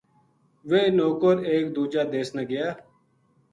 ویہ نوکر ٰٰٓٓایک دوجا دیس نا گیا